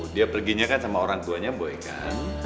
dia perginya kan sama orang tuanya boy kan